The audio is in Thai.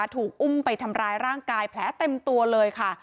ถูกอุ้มไปทำร้ายร่างกายแผลเต็มตัวเลยค่ะ